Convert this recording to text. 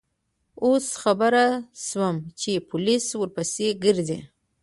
اوس خبر شوم چې پولیس ورپسې گرځي.